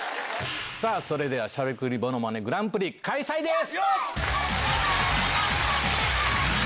さあそれでは、しゃべくりものまねグランプリ開催です。